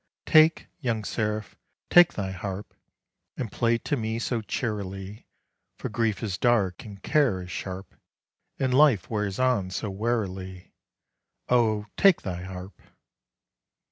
take, young Seraph, take thy harp, And play to me so cheerily; For grief is dark, and care is sharp, And life wears on so wearily. Oh! take thy harp!